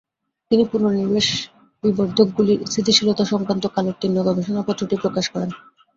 তিনি পুনর্নিবেশ বিবর্ধকগুলির স্থিতিশীলতা সংক্রান্ত কালোত্তীর্ণ গবেষণাপত্রটি প্রকাশ করেন।